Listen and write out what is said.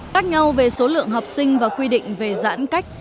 khác nhau về số lượng học sinh và quy định về giãn cách